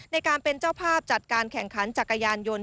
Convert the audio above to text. ในการเป็นเจ้าภาพจัดการแข่งขันจักรยานยนต์